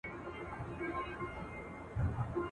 د ژورو اوبو غېږ کي یې غوټې سوې.